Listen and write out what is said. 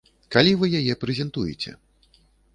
Калі вы яе прэзентуеце?